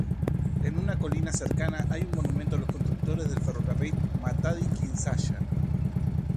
En una colina cercana hay un monumento a los constructores del ferrocarril Matadi-Kinshasa.